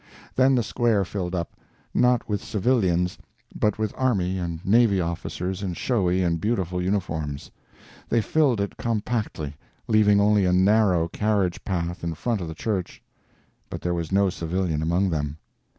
Then the square filled up; not with civilians, but with army and navy officers in showy and beautiful uniforms. They filled it compactly, leaving only a narrow carriage path in front of the church, but there was no civilian among them.